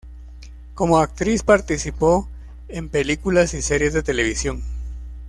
Como actriz participó en películas y series de televisión.